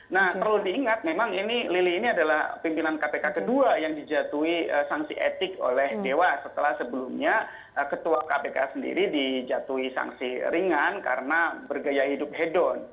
nah perlu diingat memang ini lili ini adalah pimpinan kpk kedua yang dijatuhi sanksi etik oleh dewa setelah sebelumnya ketua kpk sendiri dijatuhi sanksi ringan karena bergaya hidup head down